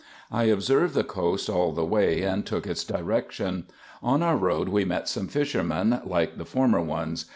I observed the coast all the way, and took its direction. On our road we met some fishermen, like the former ones.